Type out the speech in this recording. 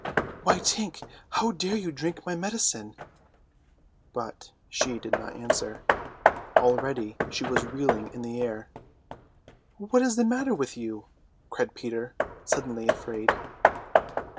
"Why, Tink, how dare you drink my medicine?" But she did not answer. Already she was reeling in the air. "What is the matter with you?" cried Peter, suddenly afraid.